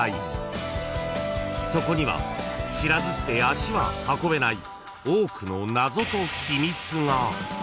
［そこには知らずして足は運べない多くの］